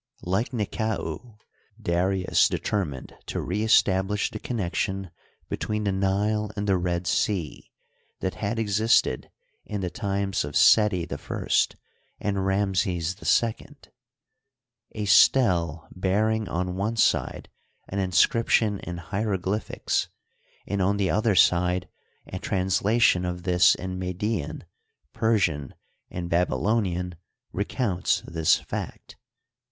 141 Like Nekau, Darius determined to re establish the con" nection between the Nile and the Red Sea that had ex isted in the times of Seti I and Ramses II. A stele bear ing on one side an inscription in hieroglyphics and on the other side a translation of this in Median, Persian, and Babylonian, recounts this fact.